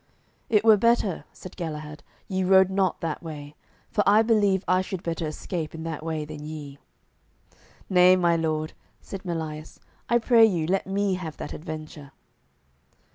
"It were better," said Galahad, "ye rode not that way, for I believe I should better escape in that way than ye." "Nay, my lord," said Melias, "I pray you, let me have that adventure."